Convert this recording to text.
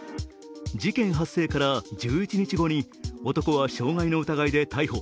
事件発生から１１日後に男は傷害の疑いで逮捕。